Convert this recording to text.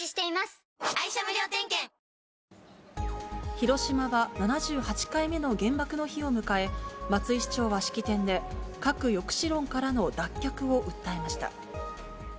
広島は７８回目の原爆の日を迎え、松井市長は式典で、核抑止論からの脱却を訴えました。